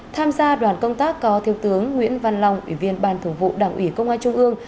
tham gia đoàn công tác có thiếu tướng nguyễn văn long ủy viên ban thường vụ đảng ủy công an trung ương